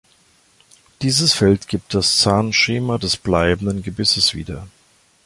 Dieses Feld gibt das Zahnschema des bleibenden Gebisses wieder.